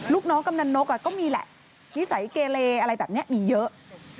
ลูกน้องกำนันนกก็มีแหละนิสัยเกเลอะไรแบบนี้มีเยอะ